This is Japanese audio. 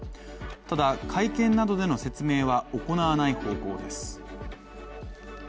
ただ、会見などでの説明は行わない方向です。